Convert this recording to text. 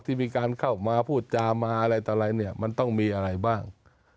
ที่มีการเข้ามาพูดจามาอะไรตลายมันต้องมีอะไรบ้าง